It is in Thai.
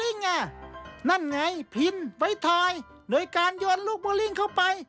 นั่นไงพิ้นไว้ถอยโดยการโยนลูกบูลลิ้งเข้าไป